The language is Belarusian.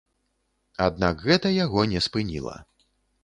Аднак гэта яго не спыніла.